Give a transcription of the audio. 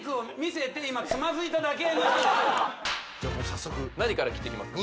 早速何から切っていきますか？